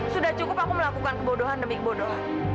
sudah cukup aku melakukan kebodohan demi kebodohan